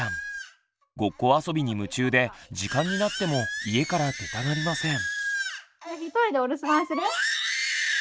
ごっこ遊びに夢中で時間になっても家から出たがりません。